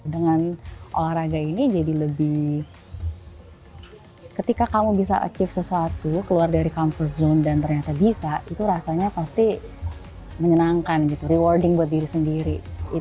dengan olahraga ini jadi lebih ketika kamu bisa achieve sesuatu keluar dari comfort zone dan ternyata bisa itu rasanya pasti menyenangkan gitu rewarding buat diri sendiri